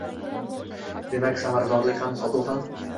Demak, samaradorlik kam, sotuv ham.